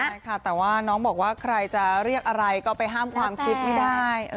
ใช่ค่ะแต่ว่าน้องบอกว่าใครจะเรียกอะไรก็ไปห้ามความคิดไม่ได้